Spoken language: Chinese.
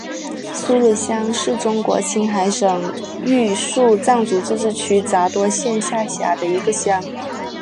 苏鲁乡是中国青海省玉树藏族自治州杂多县下辖的一个乡。